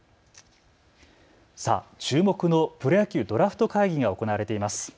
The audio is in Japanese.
注目のプロ野球ドラフト会議が行われています。